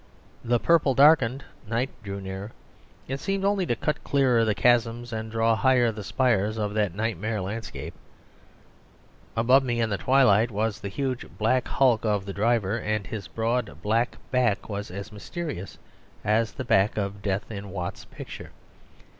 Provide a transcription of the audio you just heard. The purple darkened, night drew nearer; it seemed only to cut clearer the chasms and draw higher the spires of that nightmare landscape. Above me in the twilight was the huge black hulk of the driver, and his broad, blank back was as mysterious as the back of Death in Watts' picture.